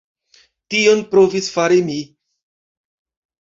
Tion provis fari mi.